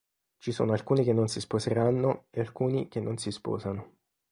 Ci sono alcuni che non si sposeranno e alcuni che non si sposano.